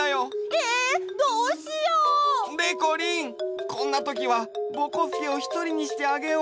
えどうしよう！でこりんこんなときはぼこすけをひとりにしてあげよう！